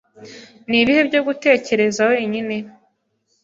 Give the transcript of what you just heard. Ni ibihe byo gutekereza wenyine?